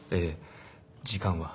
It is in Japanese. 時間は？